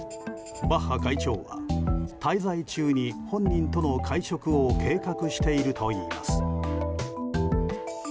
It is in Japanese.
バッハ会長は滞在中に、本人との会食を計画しているといいます。